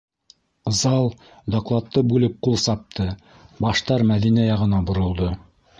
Зал докладты бүлеп ҡул сапты, баштар Мәҙинә яғына боролдо.